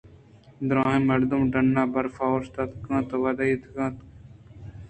دُرٛاہیں مردم ڈنّءَ برفءَ اوشتاتگ ءُوداریگ اِت اَنتءُ نرُنڈگ ءَاِت اَنت